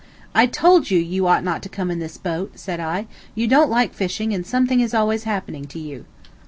"I told you you ought not to come in this boat," said I; "you don't like fishing, and something is always happening to you."